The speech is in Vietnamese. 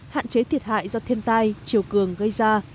hạn chế thiệt hại do thiên tai chiều cường gây ra